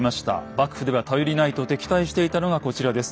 幕府では頼りないと敵対していたのがこちらです。